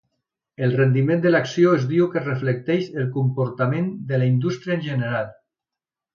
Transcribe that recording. El rendiment de l'acció es diu que reflecteix el comportament de la indústria en general.